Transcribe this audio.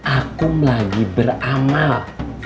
akum lagi beramal